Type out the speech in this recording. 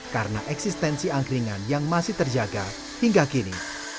karena eksistensi angkringan yang masih terjaga hingga kini